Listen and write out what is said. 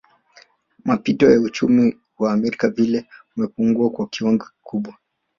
Mapitio ya uchumi wa Amerika vile umepungua kwa kiwango kikubwa